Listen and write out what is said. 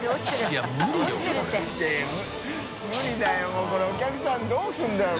もうこれお客さんどうするんだろう？